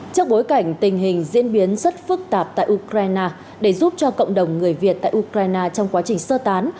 trước bối cảnh tình hình diễn biến rất phức tạp tại ukraine để giúp cho cộng đồng người việt tại ukraine trong quá trình sơ tán